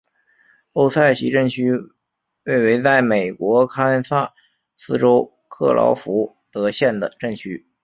欧塞奇镇区为位在美国堪萨斯州克劳福德县的镇区。